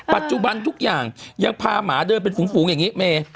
ปัจจุบันทุกอย่างยังพาหมาเดินเป็นฝูงอย่างนี้เม